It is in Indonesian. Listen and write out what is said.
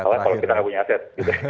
kalau kita nggak punya aset